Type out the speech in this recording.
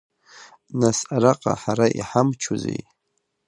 Нас араҟа ҳара иҳамчузеи?